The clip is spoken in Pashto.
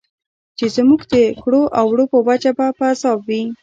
چې زموږ د کړو او وړو په وجه به په عذاب وي.